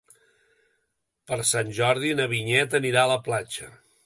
Per Sant Jordi na Vinyet anirà a la platja.